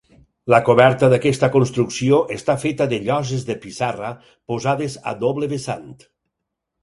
La coberta d'aquesta construcció és feta de lloses de pissarra posades a doble vessant.